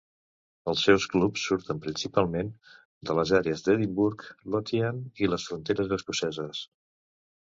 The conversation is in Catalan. Els seus clubs surten principalment de les àrees d'Edimburg, Lothian i les fronteres escoceses.